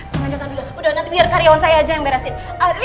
saya lanjutkan dulu udah nanti biar karyawan saya aja yang beresin